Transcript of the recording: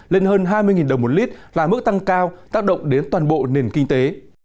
lên hơn hai mươi đồng một lít là mức tăng cao tác động đến toàn bộ nền kinh tế